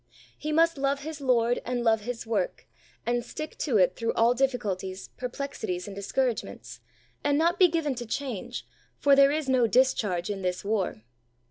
He must love his Lord and love his work, and stick to it through all difficulties, per plexities and discouragements, and not be 94 THE soul winner's SECRET. given to change, for there is no discharge in this war.